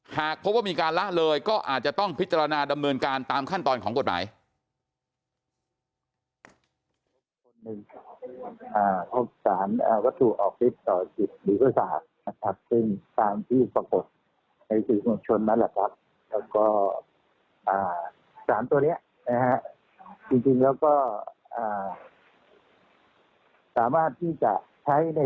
หากพบว่ามีการละเลยก็อาจจะต้องพิจารณาดำเนินการตามขั้นตอนของกฎหมาย